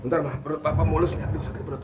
bentar ma perut papa mulus nih aduh sakit perut